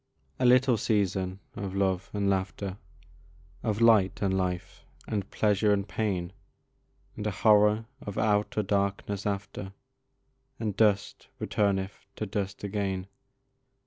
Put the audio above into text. A little season of love and laughter, Of light and life, and pleasure and pain, And a horror of outer darkness after, And dust returneth to dust again.